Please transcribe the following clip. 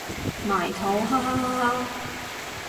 埋土哈哈哈哈